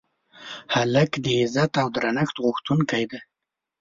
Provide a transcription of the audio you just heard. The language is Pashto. هلک د عزت او درنښت غوښتونکی دی.